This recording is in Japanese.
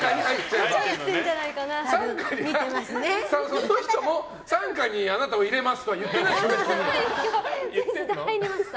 その人も傘下にあなたを入れますって言ってないですけど入りました。